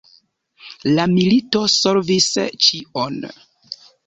La milito solvis ĉion.